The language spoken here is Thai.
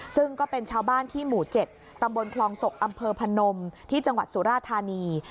ซึ่งก็เป็นชาวบ้านที่หมู่๗ตำบลคลองศกอำเภอพนมที่จังหวัดสุราธานี